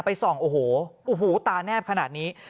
ส่องโอ้โหตาแนบขนาดนี้